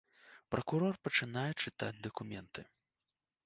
Пракурор пачынае чытаць дакументы.